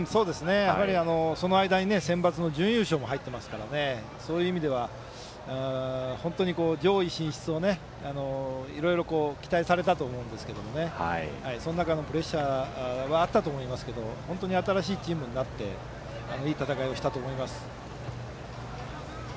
その間にセンバツの準優勝も入っていますからそういう意味では上位進出をいろいろ期待されたと思いますのでその中のプレッシャーはあったと思いますが本当に新しいチームになっていい戦いをしたと思います。